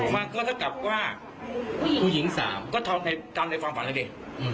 มาก็ถ้ากลับว่าผู้หญิง๓ก็ทำในฟังฝันเลย